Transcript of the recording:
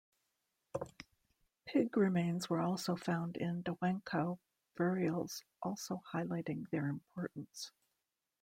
Pig remains were also found in Dawenkou burials also highlighting their importance.